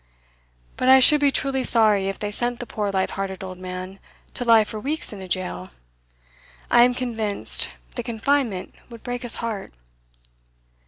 But I should be truly sorry if they sent the poor light hearted old man to lie for weeks in a jail. I am convinced the confinement would break his heart."